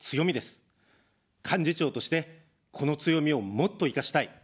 幹事長として、この強みをもっと生かしたい。